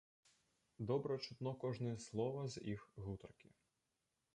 Добра чутно кожнае слова з іх гутаркі.